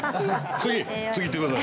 次いってください。